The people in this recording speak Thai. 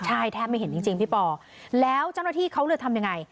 ใช่แทบไม่เห็นจริงพี่ปอแล้วเจ้าหน้าที่เขาเลยทำยังไง